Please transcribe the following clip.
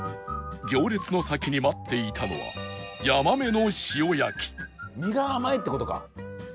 行列の先に待っていたのは身が甘いって事か！